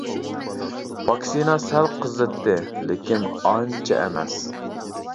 ۋاكسىنا سەل قىزىتتى، لېكىن ئانچە ئەمەس.